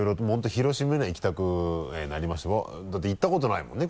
広島には行きたくなりましただって行ったことないもんね